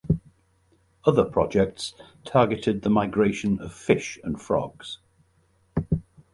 Other projects targeted the migration of fish and frogs.